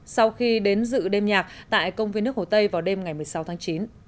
sau khi đến dự đêm nhạc tại công viên nước hồ tây vào đêm ngày một mươi sáu tháng chín